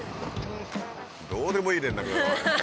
どうでもいい連絡だな。